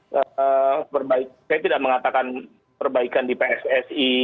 saya tidak mengatakan perbaikan di pssi